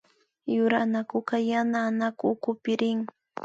Yura anakuka yana anaku ukupi rin